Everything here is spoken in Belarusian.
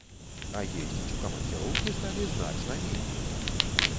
А ездзіць у камандзіроўкі сталі значна меней!